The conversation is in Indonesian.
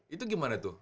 itu gimana tuh